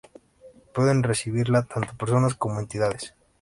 Pueden recibirla tanto personas como entidades.